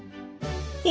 お！